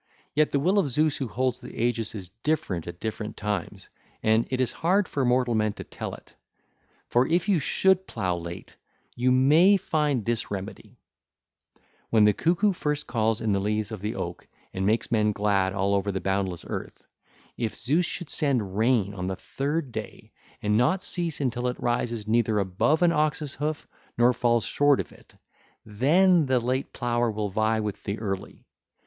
Yet the will of Zeus who holds the aegis is different at different times; and it is hard for mortal men to tell it; for if you should plough late, you may find this remedy—when the cuckoo first calls 1320 in the leaves of the oak and makes men glad all over the boundless earth, if Zeus should send rain on the third day and not cease until it rises neither above an ox's hoof nor falls short of it, then the late plougher will vie with the early.